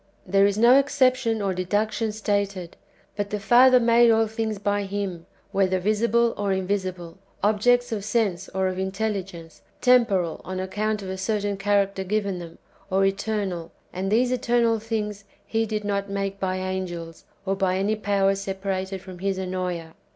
"^ There is no exception or deduc tion stated ; but the Father made all things by Him, whether visible or invisible, objects of sense or of intelligence, tem poral, on account of a certain character given them, or eternal; and these eternal^ things He did not make by angels, or by any powers separated from His Ennoea.